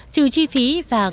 trừ chi phí và công